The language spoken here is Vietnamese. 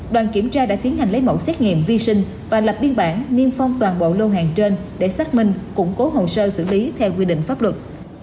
đoàn kiểm tra đã tiến hành lấy mẫu xét nghiệm vi sinh và lập biên bản niêm phong toàn bộ lô hàng trên để xác minh củng cố hồ sơ xử lý theo quy định pháp luật